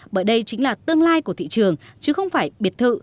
bởi đây chính là tương lai của thị trường chứ không phải biệt thự